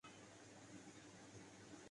جب یہ حویلی مناسب سمجھی جاتی تھی۔